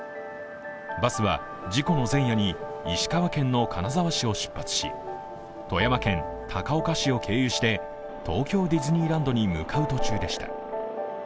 バスは事故の前夜に石川県の金沢市を出発し富山県高岡市を経由して東京ディズニーランドに向かう途中でした。